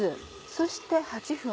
そして８分。